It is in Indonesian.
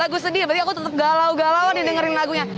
lagu sedih berarti aku tetep galau galauan di dengerin lagunya